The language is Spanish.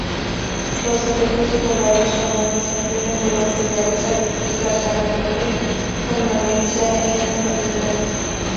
Los efectos secundarios comunes incluyen dolor de cabeza, dificultad para dormir, somnolencia e inestabilidad.